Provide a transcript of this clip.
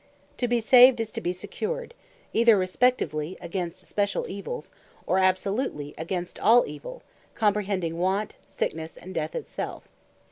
To be saved, is to be secured, either respectively, against speciall Evills, or absolutely against all Evill, comprehending Want, Sicknesse, and Death it self.